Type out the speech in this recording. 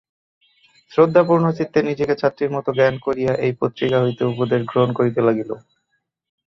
শ্রদ্ধাপূর্ণ চিত্তে নিজেকে ছাত্রীর মতো জ্ঞান করিয়া এই পত্রিকা হইতে উপদেশ গ্রহণ করিতে লাগিল।